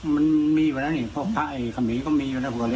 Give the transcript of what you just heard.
มันมีอยู่แล้วนะเนี่ยเพราะพระเกมียก็มีอยู่แล้วนะครับ